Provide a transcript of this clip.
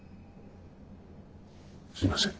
すいません。